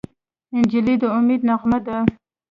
نجلۍ د امید نغمه ده.